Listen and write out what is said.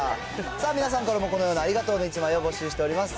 さあ、皆さんからもこのようなありがとうの１枚を募集しております。